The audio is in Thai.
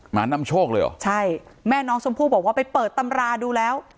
นำโชคเลยเหรอใช่แม่น้องชมพู่บอกว่าไปเปิดตำราดูแล้ว